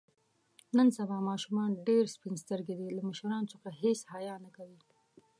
نن سبا ماشومان ډېر سپین سترګي دي. له مشرانو څخه هېڅ حیا نه کوي.